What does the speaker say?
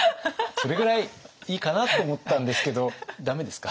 それぐらいいいかなと思ったんですけど駄目ですか？